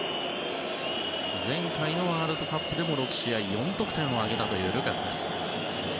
前回のワールドカップでも６試合４得点を挙げたルカクです。